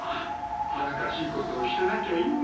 恥ずかしいことをしてなきゃいいが。